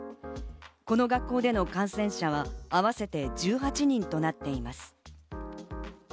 この学校での感染者は合わせて１８人となっています。